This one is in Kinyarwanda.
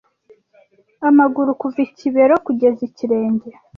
amaguru kuva ikibero kugeza ikirenge